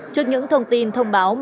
trước những thông tin thông báo của quà